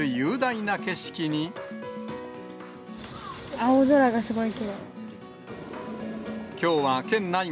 青空がすごいきれい。